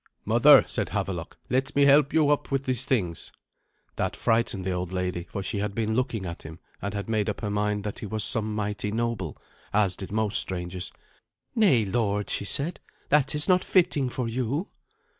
"Mother," said Havelok, "let me help you up with these things." That frightened the old lady, for she had been looking at him, and had made up her mind that he was some mighty noble, as did most strangers. "Nay, lord," she said; "that is not fitting for you."